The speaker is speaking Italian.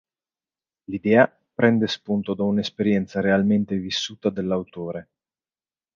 L'idea prende spunto da un'esperienza realmente vissuta dell'autore.